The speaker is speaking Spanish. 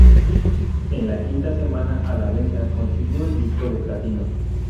En la quinta semana a la venta consiguió el Disco de Platino.